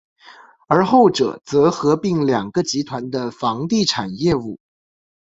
而后者则合并两个集团的房地产业务。